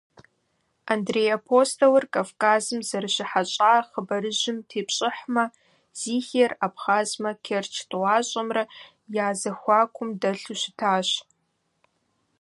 Андрей Апостолыр Кавказым зэрыщыхьэщӏа хъыбарыжьым тепщӏыхьмэ, Зихиер абхъазымрэ Керчь тӏуащӏэмрэ я зэхуакум дэлъу щытащ.